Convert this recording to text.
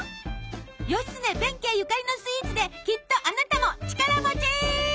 義経弁慶ゆかりのスイーツできっとあなたも力持ち！